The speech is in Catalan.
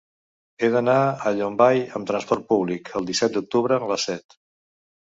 He d'anar a Llombai amb transport públic el disset d'octubre a les set.